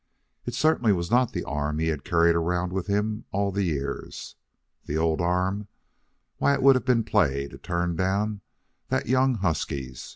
It certainly was not the arm he had carried around with him all the years. The old arm? Why, it would have been play to turn down that young husky's.